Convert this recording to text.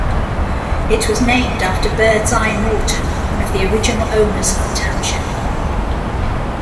It was named after Birdseye Norton, one of the original owners of the township.